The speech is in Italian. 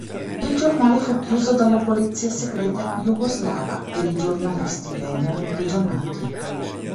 Il giornale fu chiuso dalla polizia segreta jugoslava ed i giornalisti vennero imprigionati.